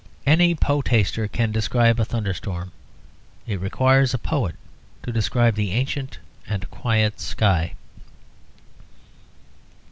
Any poetaster can describe a thunderstorm; it requires a poet to describe the ancient and quiet sky.